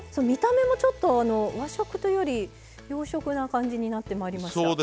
見た目もちょっと和食というより洋食な感じになってまいりました。